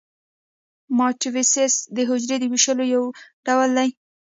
مایټوسیس د حجرې د ویشلو یو ډول دی